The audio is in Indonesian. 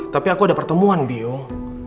tapi aku ada pertemuan biung